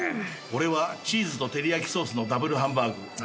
俺はチーズと照焼ソースのダブルハンバーグ。